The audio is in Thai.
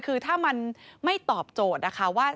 คือถ้ามันไม่ตอบโจทย์นะคะว่า